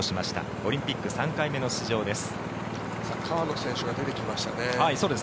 オリンピック３回目の出場です。